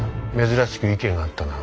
珍しく意見が合ったな。